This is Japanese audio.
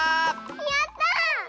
やった！